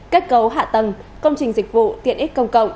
kết cấu hạ tầng công trình dịch vụ tiện ích công cộng